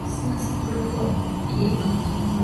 Grupo I Autonómica.